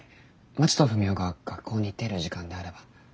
まちとふみおが学校に行っている時間であれば。